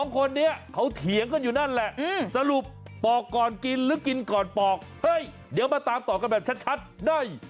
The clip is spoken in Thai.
คนนี้เขาเถียงกันอยู่นั่นแหละสรุปปอกก่อนกินหรือกินก่อนปอกเฮ้ยเดี๋ยวมาตามต่อกันแบบชัดได้